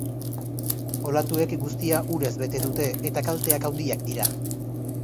Olatuek guztia urez bete dute eta kalteak handiak dira.